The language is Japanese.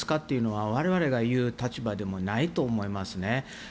というのは我々が言える立場でもないと思いますね。